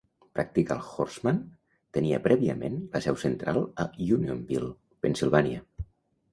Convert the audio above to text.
"Practical Horseman" tenia prèviament la seu central a Unionville (Pennsilvània).